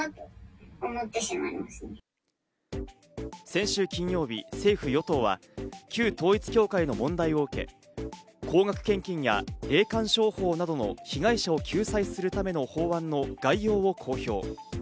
先週金曜日、政府・与党は旧統一教会の問題を受け、高額献金や霊感商法などの被害者を救済するための法案の概要を公表。